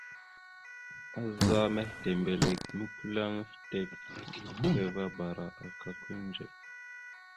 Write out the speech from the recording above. Azzá mehitembelek a mʉkʉleŋá fitek ekeveabara aka kʉliŋdzek.